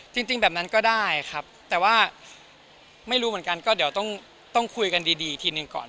จริงแบบนั้นก็ได้ครับแต่ว่าไม่รู้เหมือนกันก็เดี๋ยวต้องคุยกันดีอีกทีหนึ่งก่อน